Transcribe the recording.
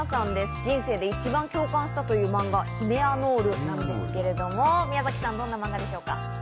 人生で一番共感したというマンガ『ヒメアノル』なんですけれども、宮崎さん、どんなマンガでしょうか？